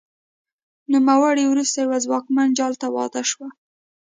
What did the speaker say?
نوموړې وروسته یوه ځواکمن جال ته واده شوه